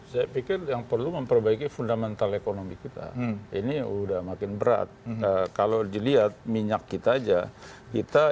saya pikir yang perlu memperbaiki fundamental ekonomi kita ini udah makin berat kalau dilihat minyak kita aja kita